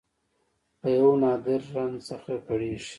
له یو نادر رنځ څخه کړېږي